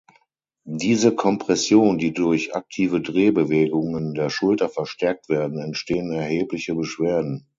Diese Kompression, die durch aktive Drehbewegungen der Schulter verstärkt werden, entstehen erhebliche Beschwerden.